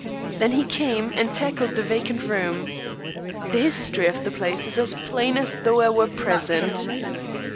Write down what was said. Then he came and tackled the vacant room. The history of the place is as plain as though I were present.